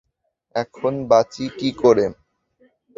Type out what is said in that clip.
এখন বাঁচি কী করে!